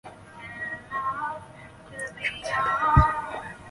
有些巴比伦之狮坦克更装备了中国制的电子光学干扰设备。